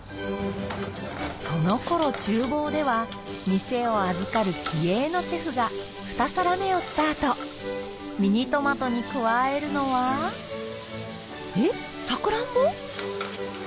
その頃厨房では店を預かる気鋭のシェフが２皿目をスタートミニトマトに加えるのはえっサクランボ？